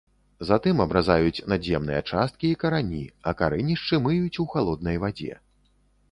Затым абразаюць надземныя часткі і карані, а карэнішчы мыюць у халоднай вадзе.